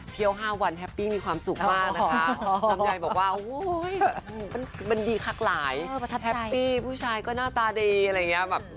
เที่ยวห้าวันแฮปปี้มีความสุขมากนะครับ